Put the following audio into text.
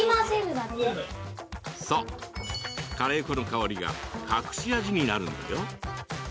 そう、カレー粉の香りが隠し味になるんだよ。